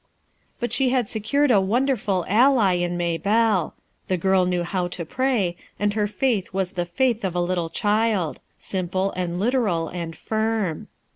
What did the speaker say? AN ALLY 311 Bat she had secured a wonderful ally fo Mav belle. Tlie girl knew how to pray, txm\ her faith was as the faith of a little child: ample and literal, and firm.